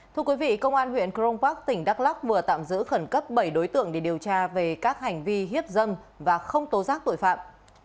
thưa quý vị công an huyện crong park tỉnh đắk lóc vừa tạm giữ khẩn cấp bảy đối tượng để điều tra về các hành vi hiếp dâm và không tố giác tội phạm